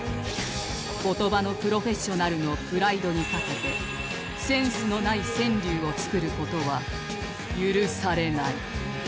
言葉のプロフェッショナルのプライドに懸けてセンスのない川柳を作る事は許されない